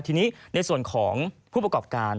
ทีนี้ในส่วนของผู้ประกอบการ